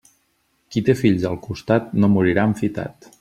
Qui té fills al costat no morirà enfitat.